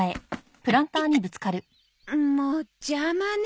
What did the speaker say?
もう邪魔ね